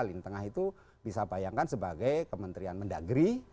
lini tengah itu bisa dibayangkan sebagai kementerian mendagri